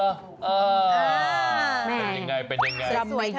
อ้าวที่หายใจยังไง